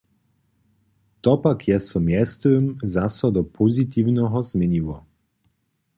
To pak je so mjeztym zaso do pozitiwneho změniło.